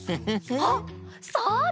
あっそうだ！